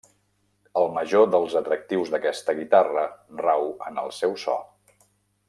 El major dels atractius d'aquesta guitarra rau en el seu so.